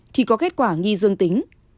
thì có kết quả nghi dương tính